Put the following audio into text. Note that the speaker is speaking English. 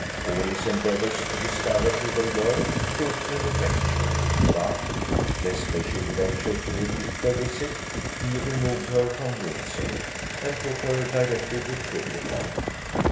All his endeavours to discover who they were proved ineffectual; but, lest they should venture to repeat their visit, he removed her from Windsor, and took her directly to Twickenham.